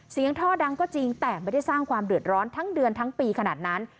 ท่อดังก็จริงแต่ไม่ได้สร้างความเดือดร้อนทั้งเดือนทั้งปีขนาดนั้น